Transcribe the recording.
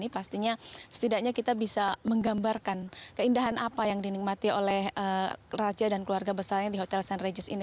pastinya setidaknya kita bisa menggambarkan keindahan apa yang dinikmati oleh raja dan keluarga besarnya di hotel st regis ini